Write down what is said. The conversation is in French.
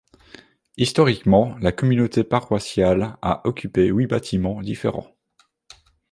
Historiquement, la communauté paroissiale a occupé huit bâtiments différents.